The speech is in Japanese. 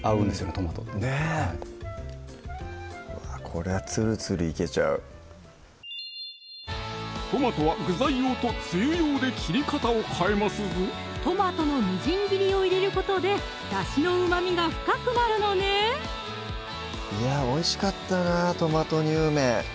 トマトってねぇわぁこれはツルツルいけちゃうトマトは具材用とつゆ用で切り方を変えますぞトマトのみじん切りを入れることでだしのうまみが深くなるのねいやおいしかったな「トマトにゅうめん」